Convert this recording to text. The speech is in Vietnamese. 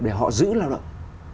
để họ giữ lao động